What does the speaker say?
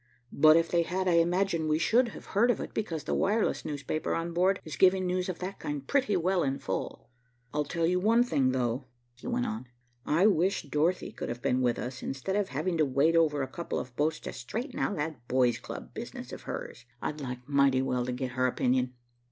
But if they had, I imagine, we should have heard of it, because the wireless newspaper on board is giving news of that kind pretty well in full. I'll tell you one thing though," he went on, "I wish Dorothy could have been with us instead of having to wait over a couple of boats to straighten out that Boy's Club business of hers. I'd like mighty well to get her opinion."